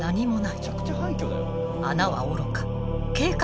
穴はおろか計画